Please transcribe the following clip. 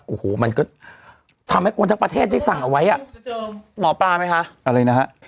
โอโหมันก็ทำให้คนทั้งประเทศได้สั่งออกไว้อ่ะอีกแล้วหมอป้ามั้ยคะอะไรนะคะ